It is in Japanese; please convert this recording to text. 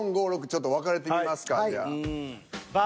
ちょっと分かれてみますかじゃあ。